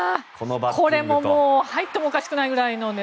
これ、入ってもおかしくないぐらいのね。